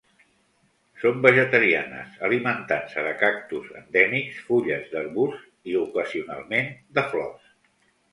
Són vegetarianes, alimentant-se de cactus endèmics, fulles d'arbusts i ocasionalment de flors.